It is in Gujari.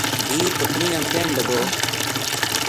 بھی پکھنی نا کہن لگو